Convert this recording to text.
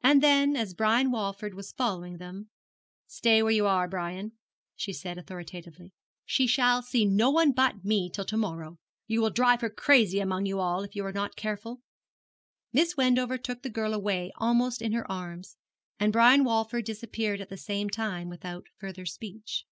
And then, as Brian Walford was following them, 'Stay where you are, Brian,' she said authoritatively. 'She shall see no one but me till to morrow. You will drive her crazy among you all, if you are not careful.' Miss Wendover took the girl away almost in her arms, and Brian Walford disappeared at the same time without further speech.